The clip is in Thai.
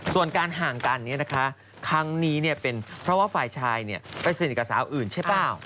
ส่วนการห่างกันนี้นะคะครั้งนี้เนี่ยเป็นเพราะว่าฝ่ายชายเนี่ยไปสนิทกับสาวอื่นใช่เปล่า